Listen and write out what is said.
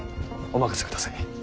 お任せください。